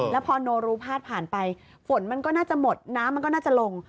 แล้วพอโนรูพาดผ่านไปฝนมันก็น่าจะหมดน้ำมันก็น่าจะลง